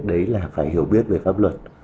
đấy là phải hiểu biết về pháp luật